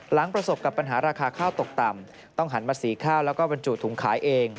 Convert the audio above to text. ประสบกับปัญหาราคาข้าวตกต่ำต้องหันมาสีข้าวแล้วก็บรรจุถุงขายเอง